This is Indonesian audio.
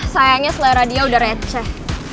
sayangnya selera dia udah receh